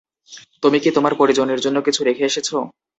তুমি কি তোমার পরিজনের জন্য কিছু রেখে এসেছো?